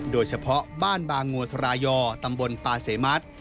โดยเฉพาะบ้านบางงัวทรายอตำบลปาเสมัติ